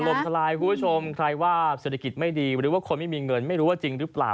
ทลายคุณผู้ชมใครว่าเศรษฐกิจไม่ดีหรือว่าคนไม่มีเงินไม่รู้ว่าจริงหรือเปล่า